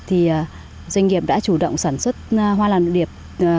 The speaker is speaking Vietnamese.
thì doanh nghiệp đã chủ động sản xuất hoa làm điệp